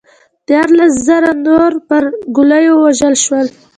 دیارلس زره نور پر ګولیو ووژل شول